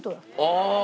ああ。